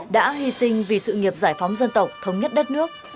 đã hy sinh vì sự nghiệp giải phóng dân tộc thống nhất đất nước